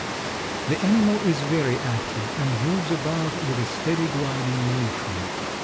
The animal is very active and moves about with a steady, gliding motion.